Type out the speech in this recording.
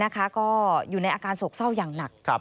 ก็อยู่ในอาการโศกเศร้าอย่างหนัก